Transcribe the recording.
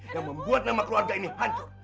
yang membuat nama keluarga ini hancur